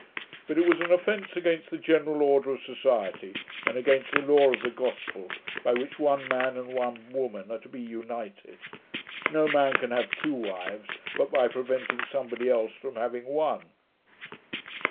But it was an offence against the general order of society, and against the law of the Gospel, by which one man and one woman are to be united. No man can have two wives, but by preventing somebody else from having one.'